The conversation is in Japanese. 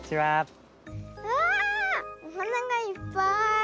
わあおはながいっぱい。